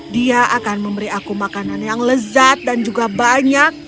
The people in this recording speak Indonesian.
dia akan memberi aku makanan yang lezat dan juga banyak